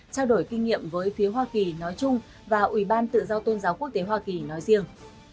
trao đổi kinh nghiệm với phía hoa kỳ nói chung và ủy ban tự do tôn giáo quốc tế hoa kỳ nói riêng